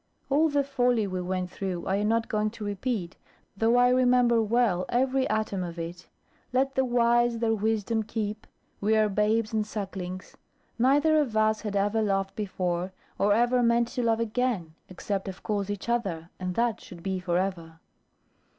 All the folly we went through I am not going to repeat, though I remember well every atom of it. Let the wise their wisdom keep, we are babes and sucklings. Neither of us had ever loved before, or ever meant to love again, except of course each other, and that should be for ever.